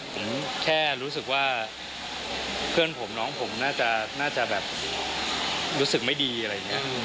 ผมแค่รู้สึกว่าเพื่อนผมน้องผมน่าจะแบบรู้สึกไม่ดีอะไรอย่างนี้